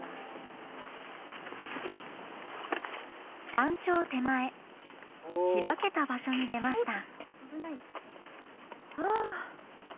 山頂手前開けた場所に出ました。